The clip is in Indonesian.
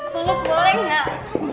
tolong boleh gak